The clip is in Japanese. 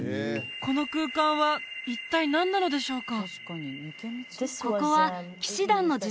この空間は一体何なのでしょうか？